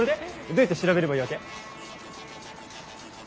どうやって調べればいいわけ？